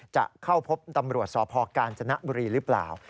จะเข้าพบตำรวจสพกาญจนบุรีหรือเปล่า